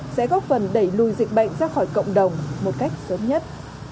sẽ góp phần đẩy lùi dịch bệnh ra khỏi cộng đồng một cách sớm nhất